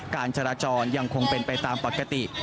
การจราจรยังคงเป็นไปตามปกติ